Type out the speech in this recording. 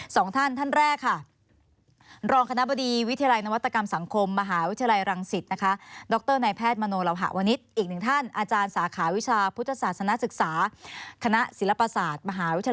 สวัสดีครับ